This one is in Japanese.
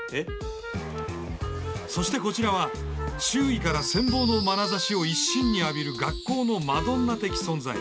そしてこちらは周囲から羨望のまなざしを一身に浴びる学校のマドンナ的存在。